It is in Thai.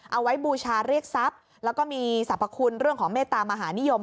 บูชาเรียกทรัพย์แล้วก็มีสรรพคุณเรื่องของเมตตามหานิยม